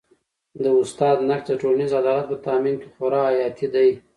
د استاد نقش د ټولنیز عدالت په تامین کي خورا حیاتي دی.